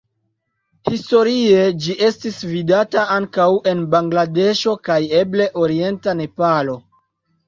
Historie ĝi estis vidata ankaŭ en Bangladeŝo kaj eble orienta Nepalo.